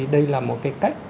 đây là một cái cách